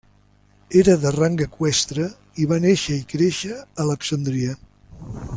Era de rang eqüestre i va néixer i créixer a Alexandria.